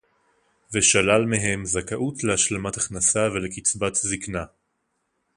ושלל מהם זכאות להשלמת הכנסה ולקצבת זיקנה